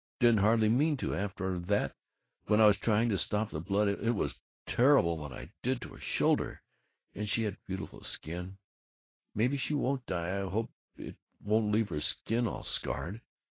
Didn't hardly mean to After that, when I was trying to stop the blood It was terrible what it did to her shoulder, and she had beautiful skin Maybe she won't die. I hope it won't leave her skin all scarred.